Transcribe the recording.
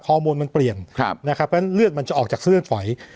โมนมันเปลี่ยนนะครับเพราะฉะนั้นเลือดมันจะออกจากเส้นเลือดฝอย